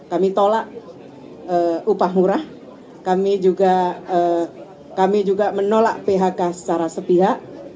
kami tolak upah murah kami juga menolak phk secara sepihak